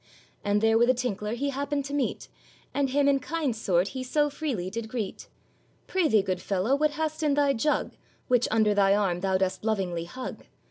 And there with a tinkler he happened to meet, And him in kind sort he so freely did greet: 'Pray thee, good fellow, what hast in thy jug, Which under thy arm thou dost lovingly hug?